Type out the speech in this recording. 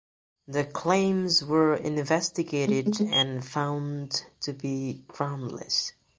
The claims were investigated and found to be groundless.